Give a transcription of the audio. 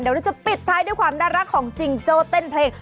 เดี๋ยวเราจะปิดท้ายด้วยความน่ารักของจิงโจ้เต้นเพลง